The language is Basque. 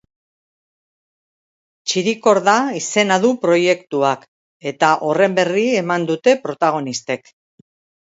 Txirikorda izena du proiektuak eta horren berri eman dute protagonistek.